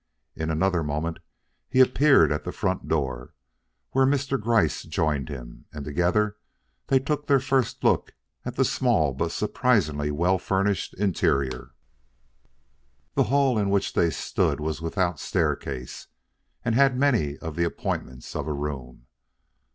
In another moment he appeared at the front door, where Mr. Gryce joined him, and together they took their first look at the small but surprisingly well furnished interior. The hall in which they stood was without staircase and had many of the appointments of a room.